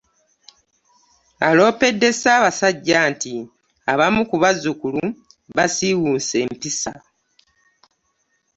Aloopedde ssaabasajja nti abamu ku bazzukulu basiiwuuse empisa